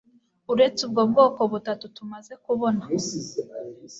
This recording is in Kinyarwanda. uretse ubwo bwoko butatu tumaze kubona